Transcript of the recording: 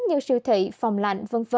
như siêu thị phòng lạnh v v